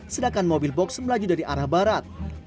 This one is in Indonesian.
sedangkan mobil box melaju dari arah barat